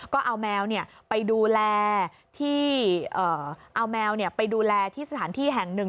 ก็เอาแมวเนี่ยไปดูแลที่เอาแมวเนี่ยไปดูแลที่สถานที่แห่งนึง